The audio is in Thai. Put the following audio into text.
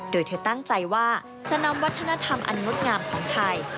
โดยเธอตั้งใจว่าจะนำวัฒนธรรมอันงดงามของไทย